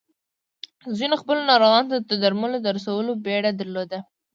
ځينو خپلو ناروغانو ته د درملو د رسولو بيړه درلوده.